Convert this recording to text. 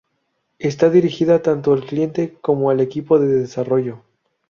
Está dirigida tanto al cliente como al equipo de desarrollo.